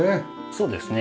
そうですね